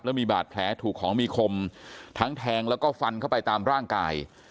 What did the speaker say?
มีบาดแผลถูกของมีคมทั้งแทงแล้วก็ฟันเข้าไปตามร่างกาย